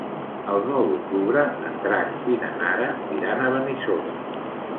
El nou d'octubre en Drac i na Nara iran a Benissoda.